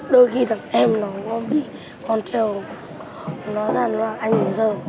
dù có thế nào